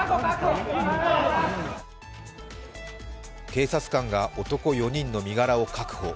警察官が男４人の身柄を確保